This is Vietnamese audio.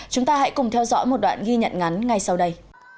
chúng ta hãy cùng theo dõi một đoạn ghi nhận ngắn ngay sau đây